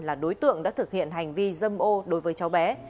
là đối tượng đã thực hiện hành vi dâm ô đối với cháu bé